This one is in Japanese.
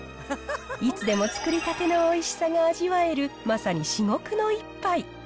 いつでも作りたてのおいしさが味わえる、まさに至極の一杯。